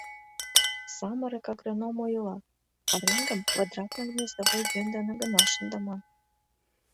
Самырык агроном ойла: пареҥгым квадратно-гнездовой йӧн дене гына шындыман.